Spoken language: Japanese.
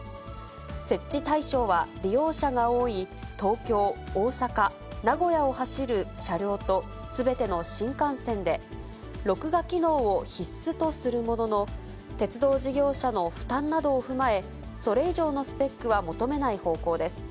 設置対象は、利用者が多い東京、大阪、名古屋を走る車両と、すべての新幹線で、録画機能を必須とするものの、鉄道事業者の負担などを踏まえ、それ以上のスペックは求めない方向です。